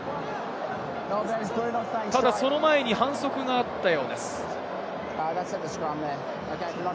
ただ、その前に反則があったようです。